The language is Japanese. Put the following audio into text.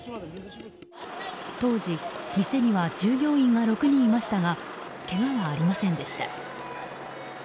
当時、店には従業員が６人いましたがけがはありませんでした。